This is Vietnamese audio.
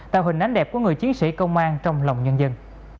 tạo hình ánh đẹp của người chiến sĩ công an trong lòng nhân dân